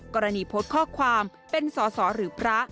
กรณีโพสต์ข้อความเป็นสอสอหรือพระ